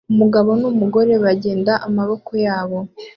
Umugabo n'umugore bagenda amaboko yabo